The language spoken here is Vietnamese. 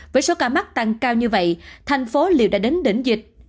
với số ca mắc tăng cao như vậy thành phố đều đã đến đỉnh dịch